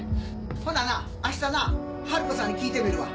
ほなな明日な春子さんに聞いてみるわ。